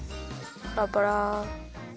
パラパラ。